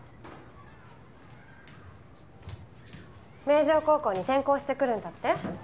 明城高校に転校してくるんだって？